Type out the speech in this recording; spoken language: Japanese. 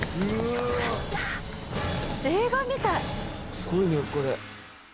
すごいねこれ。